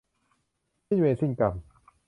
สิ้นเวรสิ้นกรรม